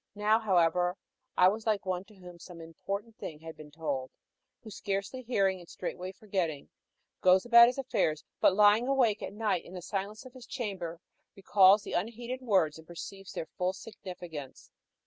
Now, however, I was like one to whom some important thing has been told, who, scarcely hearing and straightway forgetting, goes about his affairs; but, lying awake at night in the silence of his chamber, recalls the unheeded words and perceives their full significance.